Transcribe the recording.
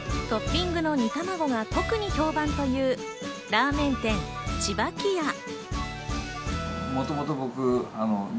トッピングの煮たまごが特に評判というラーメン店、ちばき屋。